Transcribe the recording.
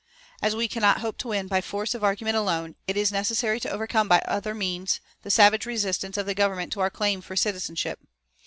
As we cannot hope to win by force of argument alone, it is necessary to overcome by other means the savage resistance of the Government to our claim for citizenship.